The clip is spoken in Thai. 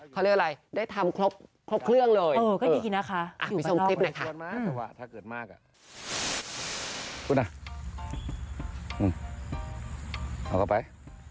พี่